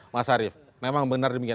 mas arief memang benar demikian